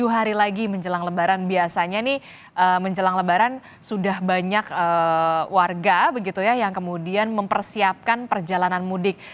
tujuh hari lagi menjelang lebaran biasanya ini menjelang lebaran sudah banyak warga yang kemudian mempersiapkan perjalanan mudik